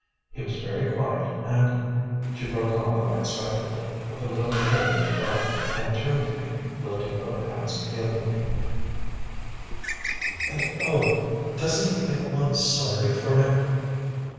He was very quiet and " She broke off unexpectedly, with a little pitying cry, and turned to me, lifting both hands appealingly "And oh, doesn't he make one SORRY for him!"